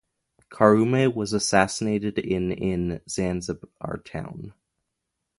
Karume was assassinated in in Zanzibar Town.